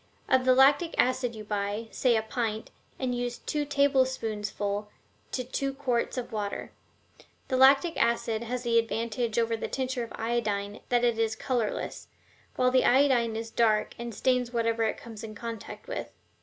Of the lactic acid you buy, say, a pint, and use two tablespoonsful to two quarts of water. The lactic acid has the advantage over the tincture of iodine that it is colorless, while the iodine is dark and stains whatever it comes in contact with.